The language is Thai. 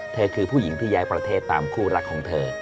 เธอคือผู้หญิงที่ย้ายประเทศตามคู่รักของเธอ